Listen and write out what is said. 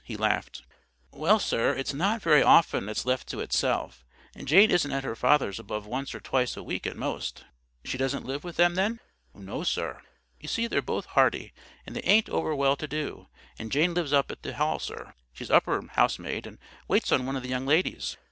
He laughed. "Well, sir, it's not very often it's left to itself. Jane isn't at her father's above once or twice a week at most." "She doesn't live with them, then?" "No, sir. You see they're both hearty, and they ain't over well to do, and Jane lives up at the Hall, sir. She's upper housemaid, and waits on one of the young ladies.